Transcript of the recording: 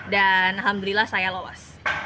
dan alhamdulillah saya lulus